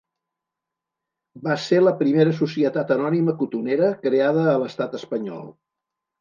Va ser la primera societat anònima cotonera creada a l'Estat Espanyol.